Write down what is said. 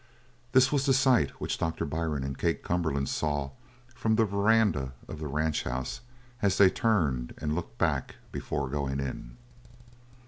This was the sight which Doctor Byrne and Kate Cumberland saw from the veranda of the ranch house as they turned and looked back before going in.